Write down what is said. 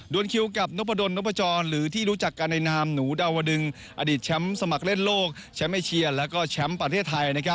คิวกับนพดลนพจรหรือที่รู้จักกันในนามหนูดาวดึงอดีตแชมป์สมัครเล่นโลกแชมป์เอเชียและแชมป์ประเทศไทย